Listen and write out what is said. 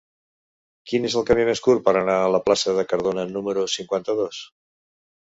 Quin és el camí més curt per anar a la plaça de Cardona número cinquanta-dos?